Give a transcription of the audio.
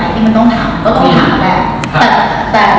แต่เป็นคนที่ถามไหนจะมีทางทาง